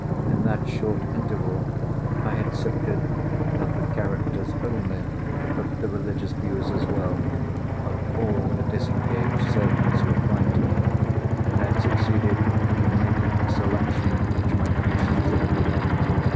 In that short interval I had sifted, not the characters only, but the religious views as well, of all the disengaged servants who applied to me, and had succeeded in making a selection which my conscience approved.